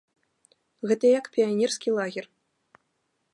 Гэта як піянерскі лагер.